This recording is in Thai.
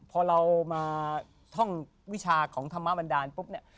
พอเรามาท่องวิชาของธรรมบันดาลปุ๊บเนี่ย